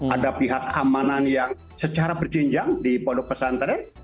ada pihak keamanan yang secara berjinjang di produk pesantren